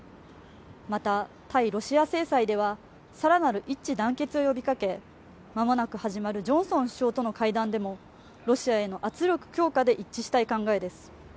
また対ロシア制裁では更なる一致団結を呼びかけ間もなく始まるジョンソン首相との会談でもロシアへの圧力強化で一致したい考えです。